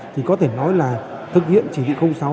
thì có thể nói là thực hiện chỉ thị sáu